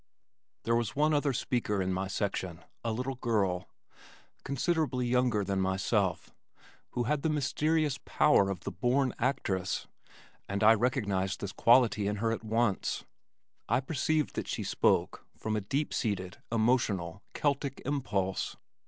There was one other speaker in my section, a little girl, considerably younger than myself, who had the mysterious power of the born actress, and I recognized this quality in her at once. I perceived that she spoke from a deep seated, emotional, Celtic impulse.